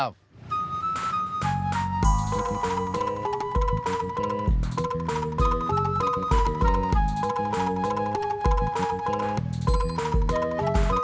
besok suruh kesini aja